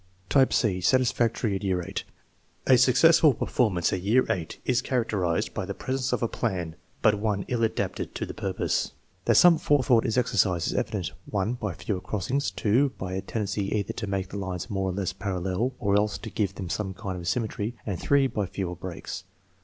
Type c (satisfactory at year VJLL1). A successful performance at year VULl is characterized by the presence of a plan, but one ill adapted to the purpose. That some forethought is exercised is evidenced, (1) by fewer crossings, (2) by a tendency either to make the lines more or less parallel or else to give them some kind of symmetry, and (3) by fewer breaks.